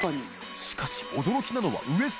磴靴驚きなのはウエスト